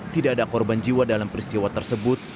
tidak ada korban jiwa dalam peristiwa tersebut